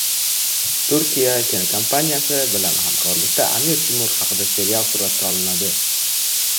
Turkiya kinokompaniyasi bilan hamkorlikda Amir Temur haqida serial suratga olinadi